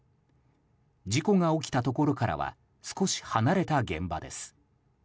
事故が起きたところからは少し離れた現場です。